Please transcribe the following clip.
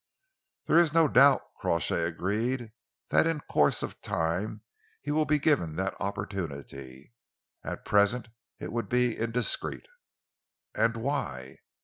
"There is no doubt," Crawshay agreed, "that in course of time he will be given that opportunity. At present it would be indiscreet." "And why?"